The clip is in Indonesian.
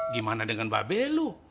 gimana dengan mba be lu